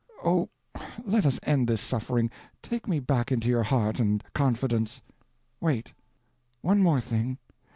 Oh, let us end this suffering—take me back into your heart and confidence—" "Wait—one more thing.